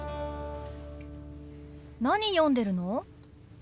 何読んでるの？